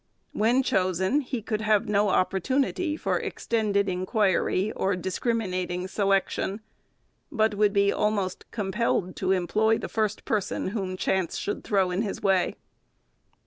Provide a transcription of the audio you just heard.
When chosen, he could have no opportunity for extended in quiry or discriminating selection, but would be almost compelled to employ the first person whom chance should throw in his way.